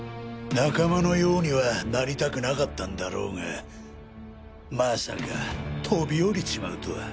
仲間のようにはなりたくなかったんだろうがまさか飛び降りちまうとは。